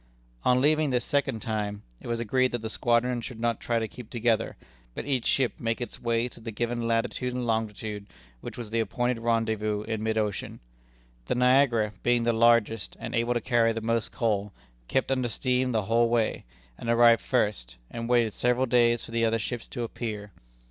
On leaving this second time, it was agreed that the squadron should not try to keep together, but each ship make its way to the given latitude and longitude which was the appointed rendezvous in mid ocean. The Niagara, being the largest, and able to carry the most coal, kept under steam the whole way, and arrived first, and waited several days for the other ships to appear.